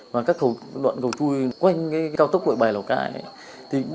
và các đoạn cầu chui quanh cái cao tốc gọi bảy lào cai ấy